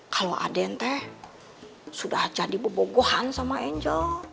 kalau aden teh sudah jadi bebogohan sama angel